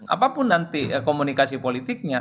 apapun nanti komunikasi politiknya